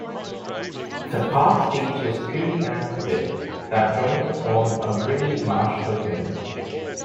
The park features two sand spits that join to form a briny marsh lagoon.